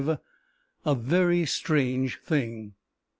A VERY STRANGE THING.